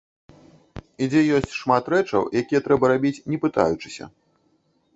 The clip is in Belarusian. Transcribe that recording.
І дзе ёсць шмат рэчаў, якія трэба рабіць не пытаючыся.